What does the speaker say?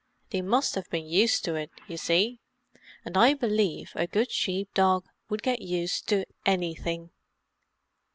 "They must have been used to it, you see. And I believe a good sheep dog would get used to anything."